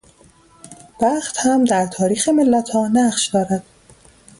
بخت هم در تاریخ ملتها نقش دارد.